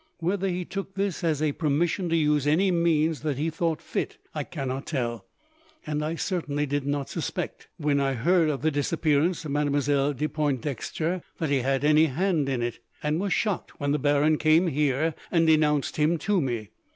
Whether he took this as a permission to use any means that he thought fit I cannot tell; and I certainly did not suspect, when I heard of the disappearance of Mademoiselle de Pointdexter, that he had any hand in it, and was shocked when the baron came here and denounced him to me.